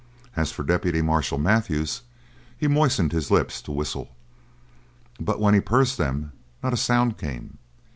As for deputy marshal Matthews, he moistened his lips to whistle, but when he pursed them, not a sound came.